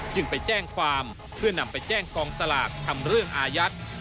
จึงไปแจ้งความเพื่อนำไปแจ้งกองสลากทำเรื่องอายัด